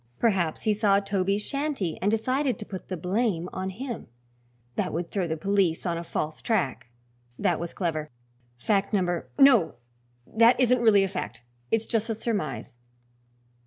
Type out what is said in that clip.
Perhaps he saw Toby's shanty and decided to put the blame on him; that would throw the police on a false track. That was clever. Fact number No! that isn't really a fact; it's just a surmise.